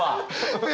え